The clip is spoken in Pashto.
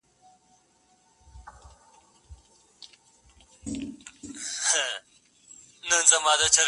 چي چاره د دې قاتل وکړي پخپله!.